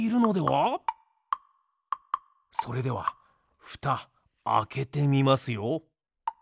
それではふたあけてみますよ。